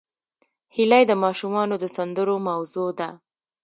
هیلۍ د ماشومانو د سندرو موضوع ده